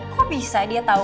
kok bisa dia tahu